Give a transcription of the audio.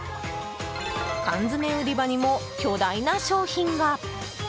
缶詰売り場にも巨大な商品が！